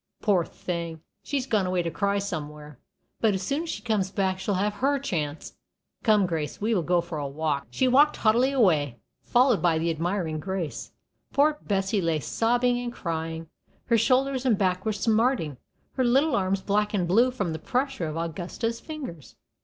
Poor thing! she's gone away to cry somewhere, but as soon as she comes back she shall have her chance. Come, Grace, we will go for a walk." She walked haughtily away, followed by the admiring Grace. Poor Bessie lay sobbing and crying. Her shoulders and back were smarting, her little arms black and blue from the pressure of Augusta's fingers.